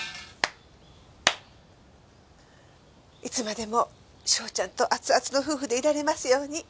いつまでも章ちゃんとアツアツの夫婦でいられますように。